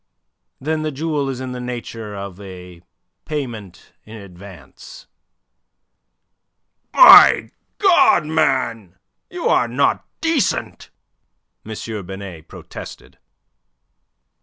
Then the jewel is in the nature of a payment in advance." "My God, man, you're not decent!" M. Binet protested.